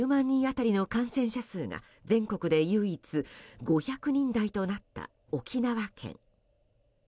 人当たりの感染者数が全国で唯一５００人台となった沖縄県。